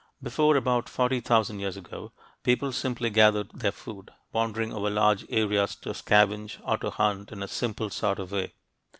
Before about 40,000 years ago, people simply "gathered" their food, wandering over large areas to scavenge or to hunt in a simple sort of way.